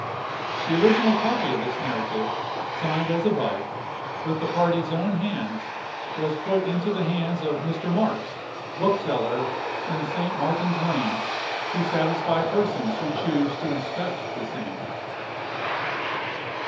"The original copy of this narrative, signed as above, with the parties' own hands, was put into the hands of Mr. Marks, bookseller, in St. Martin's Lane, to satisfy persons who choose to inspect the same."